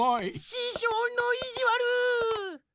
ししょうのいじわる！